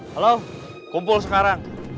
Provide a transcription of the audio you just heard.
halo kumpul sekarang